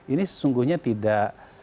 ini sesungguhnya tidak